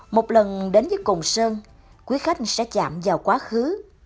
một lần đến với cồn sơn quý khách sẽ chạm vào quá khứ